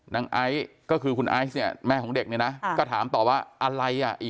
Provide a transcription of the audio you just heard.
ไอซ์ก็คือคุณไอซ์เนี่ยแม่ของเด็กเนี่ยนะก็ถามต่อว่าอะไรอ่ะ